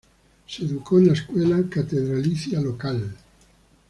Se educó en la escuela catedralicia local.